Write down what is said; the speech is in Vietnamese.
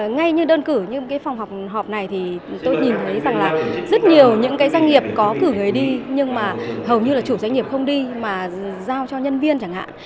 ngay như đơn cử như cái phòng họp này thì tôi nhìn thấy rằng là rất nhiều những cái doanh nghiệp có cử người đi nhưng mà hầu như là chủ doanh nghiệp không đi mà giao cho nhân viên chẳng hạn